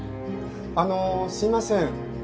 あのすいません。